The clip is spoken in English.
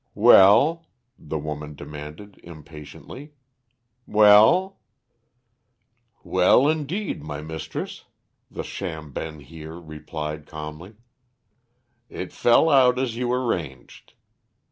"Well!" the woman demanded impatiently. "Well?" "Well, indeed, my mistress," the sham Ben Heer replied calmly. "It fell out as you arranged.